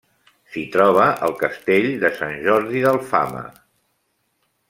S'hi troba el Castell de Sant Jordi d'Alfama.